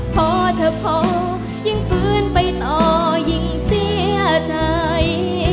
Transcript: พอเธอพอยังฝืนไปต่อยิ่งเสียใจ